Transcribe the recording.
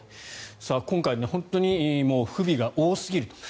今回、本当に不備が多すぎると。